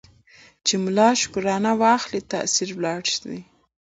چي ملا شکرانه واخلي تأثیر ولاړ سي